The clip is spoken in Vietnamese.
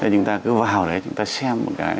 chúng ta cứ vào đấy chúng ta xem một cái